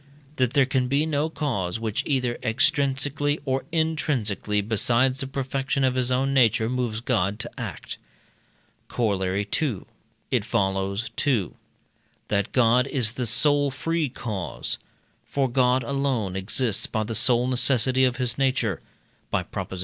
That there can be no cause which, either extrinsically or intrinsically, besides the perfection of his own nature, moves God to act. Corollary II. It follows: 2. That God is the sole free cause. For God alone exists by the sole necessity of his nature (by Prop. xi.